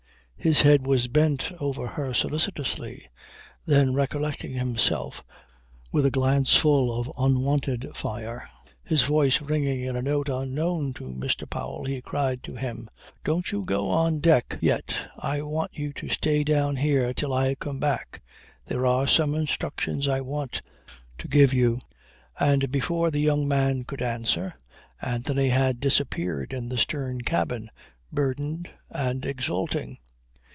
His head was bent over her solicitously, then recollecting himself, with a glance full of unwonted fire, his voice ringing in a note unknown to Mr. Powell, he cried to him, "Don't you go on deck yet. I want you to stay down here till I come back. There are some instructions I want to give you." And before the young man could answer, Anthony had disappeared in the stern cabin, burdened and exulting.